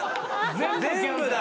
全部だ。